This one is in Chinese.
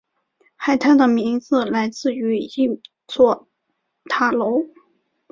海滩的名字来自于一座塔楼。